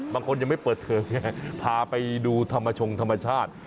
บางคนยังไม่เปิดเทอมไงพาไปดูธรรมชงธรรมชาติ